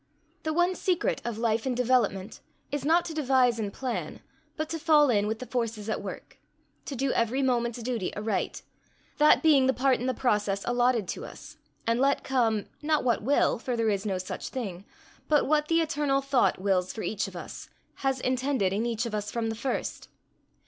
The one secret of life and development, is not to devise and plan, but to fall in with the forces at work to do every moment's duty aright that being the part in the process allotted to us; and let come not what will, for there is no such thing but what the eternal Thought wills for each of us, has intended in each of us from the first.